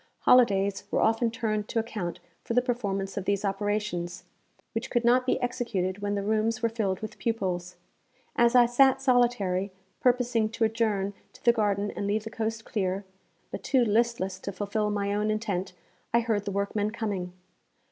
Holidays were often turned to account for the performance of these operations, which could not be executed when the rooms were filled with pupils. As I sat solitary, purposing to adjourn to the garden and leave the coast clear, but too listless to fulfil my own intent, I heard the workmen coming.